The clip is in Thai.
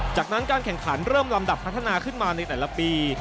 จากนั้นการแข่งขันเริ่มลำดับพัฒนาขึ้นมาในแต่ละปี